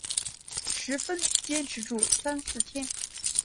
十分坚持住三四天